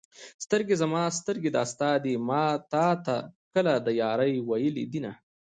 سترګې زما سترګې دا ستا دي ما تا ته کله د يارۍ ویلي دینه